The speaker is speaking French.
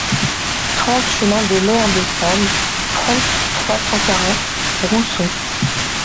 trente chemin de l'Aire de Salle, trente, trois cent quarante, Rousson